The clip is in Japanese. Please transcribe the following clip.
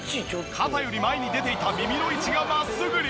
肩より前に出ていた耳の位置が真っすぐに！